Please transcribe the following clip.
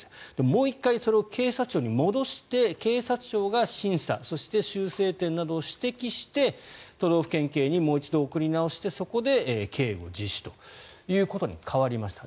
もう１回、それを警察庁に戻して警察庁が審査そして修正点などを指摘して都道府県警にもう一度送り直してそこで警護実施ということに変わりました。